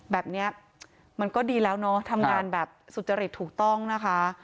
แบบนี้มันก็ดีแล้วเนอะทำงานแบบสุจริตถูกต้องนะคะ